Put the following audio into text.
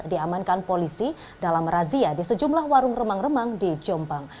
diamankan polisi dalam razia di sejumlah warung remang remang di jombang